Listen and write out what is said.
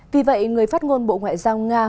vì vậy người phát ngôn bộ ngoại giao nga